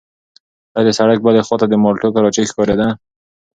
ایا د سړک بلې خوا ته د مالټو کراچۍ ښکارېده؟